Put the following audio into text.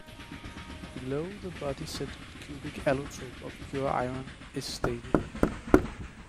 Below the body-centered-cubic allotrope of pure iron is stable.